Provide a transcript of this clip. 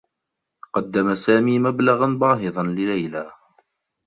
قدّم سامي مبلغا باهضا لليلى.